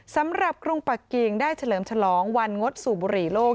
กรุงปักกิ่งได้เฉลิมฉลองวันงดสูบบุหรี่โลก